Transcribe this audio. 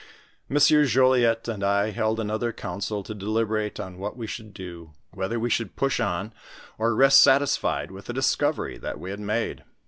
M. Jollyet and I hold another council to deliberate on what we should do, whether we should push on, or rest satis fied with the discovery that we had made.